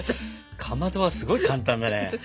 かまどはすごい簡単だね。